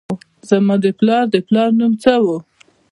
زما د پلار د پلار نوم څه و؟